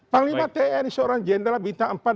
panglima tni seorang jenderal bintang empat